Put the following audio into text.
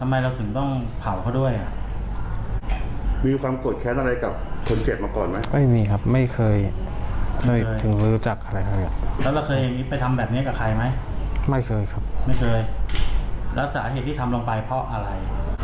ไม่เคยครับไม่เคยแล้วสาเหตุที่ทำลงไปเพราะอะไร